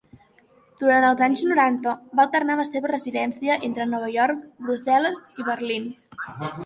Durant els anys noranta, va alternar la seva residència entre Nova York, Brussel·les i Berlín.